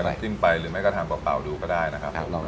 จิ้มไปหรือไม่ก็ทานเปล่าดูก็ได้นะครับ